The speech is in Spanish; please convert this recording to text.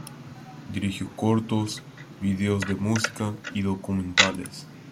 Dirigió cortos, videos de música, y documentales.